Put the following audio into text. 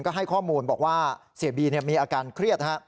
ก็ให้ข้อมูลบอกว่าเสียบีมีอาการเครียด